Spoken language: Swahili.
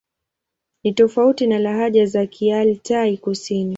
Ni tofauti na lahaja za Kialtai-Kusini.